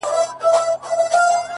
• زه چي غرغړې ته ورختلم اسمان څه ویل,